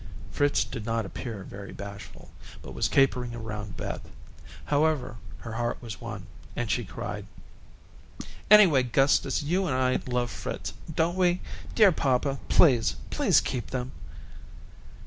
Fritz did not appear very bashful, but was capering around Beth. However, her heart was won, and she cried: "Anyway, Gustus, you and I love Fritz, don't we? Dear papa, please, please keep them."